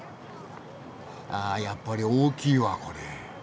あやっぱり大きいわこれ。